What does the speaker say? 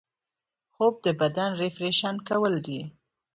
خوب د بدن ریفریش کول دي